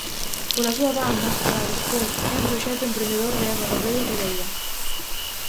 Pola súa banda, Ridesport é un proxecto emprendedor de Eva Robledo Rivera.